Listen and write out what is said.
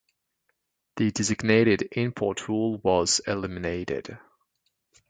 The designated import rule was eliminated.